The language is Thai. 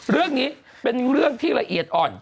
เรื่องนี้เป็นเรื่องที่ละเอียดอ่อน